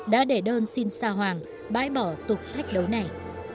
đã để đơn xin xa hoàng bãi bỏ tục thách đấu này